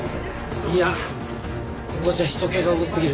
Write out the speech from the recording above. いやここじゃ人けが多すぎる。